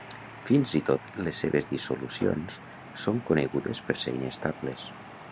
Fins i tot les seves dissolucions són conegudes per ser inestables.